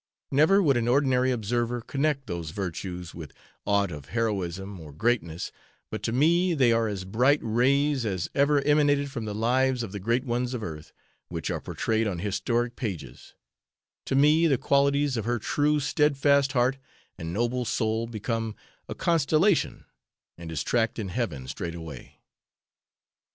Never would an ordinary observer connect those virtues with aught of heroism or greatness, but to me they are as bright rays as ever emanated from the lives of the great ones of earth, which are portrayed on historic pages to me, the qualities of her true, steadfast heart and noble soul become "a constellation, and is tracked in Heaven straightway."